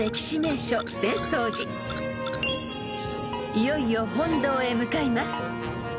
［いよいよ本堂へ向かいます］